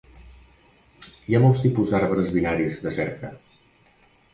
Hi ha molts tipus d'arbres binaris de cerca.